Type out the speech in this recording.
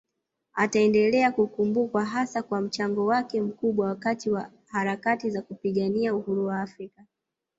Ataendelea kukumbukwa hasa kwa mchango wake mkubwa wakati wa harakati za kupigania uhuru Afrika